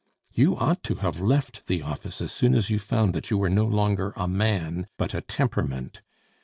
You ought to have left the office as soon as you found that you were no longer a man, but a temperament.